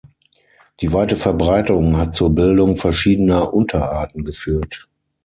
Die weite Verbreitung hat zur Bildung verschiedener Unterarten geführt.